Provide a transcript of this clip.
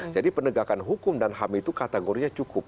jadi penegakan hukum dan ham itu kategorinya cukup